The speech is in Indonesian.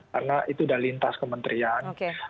karena itu sudah lintas kementerian